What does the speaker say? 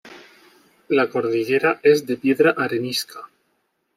La cordillera es de piedra arenisca.